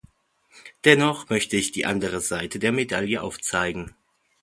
Dennoch möchte ich die andere Seite der Medaille aufzeigen.